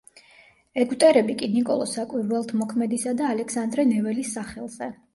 ეგვტერები კი ნიკოლოზ საკვირველთმოქმედისა და ალექსანდრე ნეველის სახელზე.